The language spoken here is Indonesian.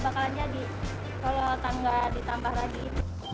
nggak bakalan jadi kalau tanggal ditambah lagi